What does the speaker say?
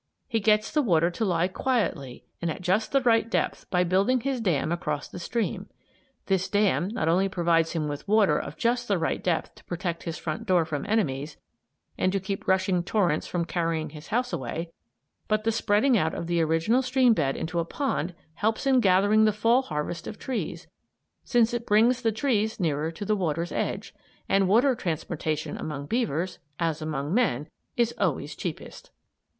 He gets the water to lie quietly and at just the right depth by building his dam across the stream. This dam not only provides him with water of just the right depth to protect his front door from enemies and to keep rushing torrents from carrying his house away, but the spreading out of the original stream bed into a pond helps in gathering the Fall harvest of trees, since it brings the trees nearer to the water's edge, and water transportation among beavers, as among men, is always cheapest.